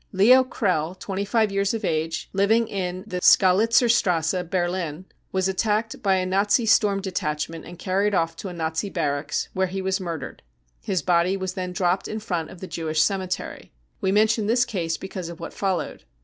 Leo Krell, 25 years of age, living in the Skalitzerstrasse, Berlin, was attacked by a Nazi Storm Detachment and carried off to a Nazi barracks where he was murdered. His body was then dropped in front of the Jewish cemetery. We mention this case because of what followed.